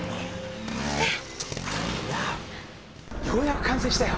いやようやく完成したよ！